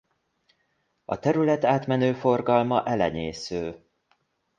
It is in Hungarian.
A terület átmenő forgalma elenyésző.